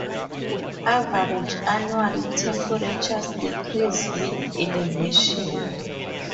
Average annual temperatures decrease with elevation.